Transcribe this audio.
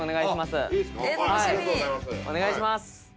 お願いします。